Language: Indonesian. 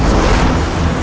aku akan menang